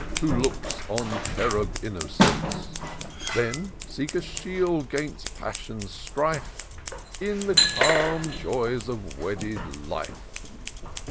Who looks on cherub innocence :— Then seek a shield 'gainst passion's strife In the calm joys of wedded life.